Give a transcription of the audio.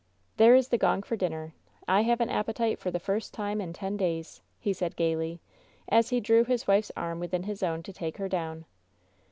"There is the gong for dinner. I have an appetite for the first time in ten days," he said, gayly, as he drew his wife's arm within his own to take her down.